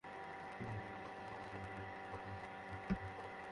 নাটক শুরুর আগে সন্ধ্যা ছয়টায় পরীক্ষণ থিয়েটারের লবিতে থাকবে একটি নাতিদীর্ঘ আনুষ্ঠানিকতা।